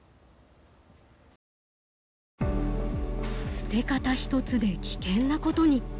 捨て方一つで危険なことに。